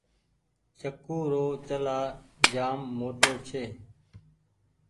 چڪو رو چلآ جآم موٽو ڇي۔